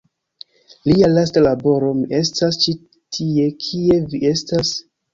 Lia lasta laboro "Mi estas ĉi tie- Kie vi estas?